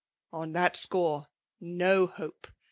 *< On that score^ no hope